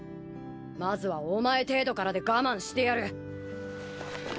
まずはお前程度からで我慢してやる。